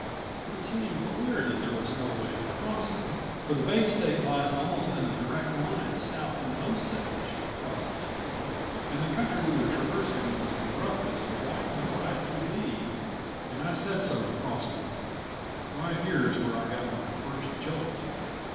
It seemed queer that there was no way of crossing, for the Bay State lies almost in a direct line south from Osage, Frosty told me, and the country we were traversing was rough as White Divide could be, and I said so to Frosty. Right here is where I got my first jolt.